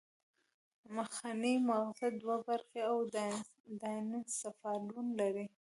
مخنی مغزه دوه برخې او ډاینسفالون لري